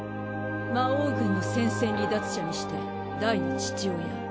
魔王軍の戦線離脱者にしてダイの父親。